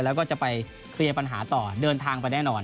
แล้วก็จะไปเคลียร์ปัญหาต่อเดินทางไปแน่นอน